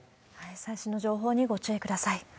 最新の情報にご注意ください。